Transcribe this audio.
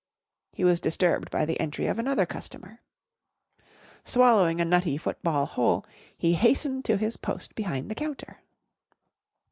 He was disturbed by the entry of another customer. Swallowing a Nutty Football whole, he hastened to his post behind the counter.